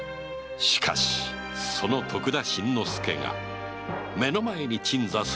しかしその徳田新之助が目の前に鎮座する将軍・吉宗だったとは！